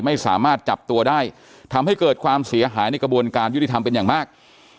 ไม่สามารถจับตัวได้ทำให้เกิดความเสียหายในกระบวนการยุติธรรมเป็นอย่างมาก